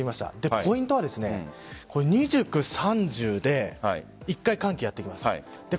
ポイントは２９、３０で１回、寒気がやって来ます。